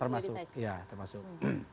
termasuk iya termasuk